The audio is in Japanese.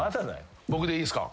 僕でいいっすか？